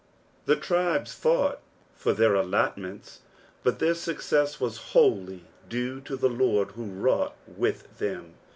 The tribei fought for their allotments, but their success was wholly due to the Lord who vpTOUght with them.